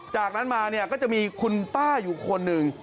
จากนั้นมาเนี่ยก็จะมีคุณป้าอยู่คนหนึ่ง